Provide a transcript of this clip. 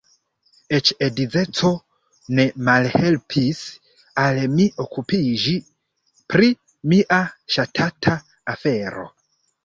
Eĉ edzeco ne malhelpis al mi okupiĝi pri mia ŝatata afero.